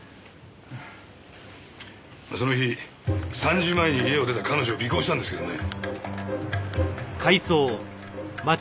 その日３時前に家を出た彼女を尾行したんですけどね。